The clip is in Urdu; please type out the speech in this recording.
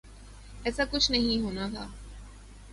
ایسا کچھ نہیں ہونا تھا۔